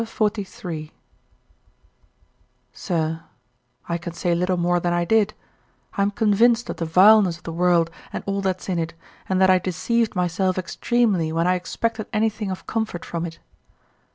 _ SIR, I can say little more than I did, I am convinced of the vileness of the world and all that's in it, and that I deceived myself extremely when I expected anything of comfort from it.